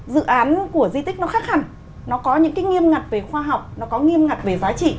dự án của di tích nó khác hẳn nó có những cái nghiêm ngặt về khoa học nó có nghiêm ngặt về giá trị